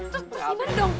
terus gimana dong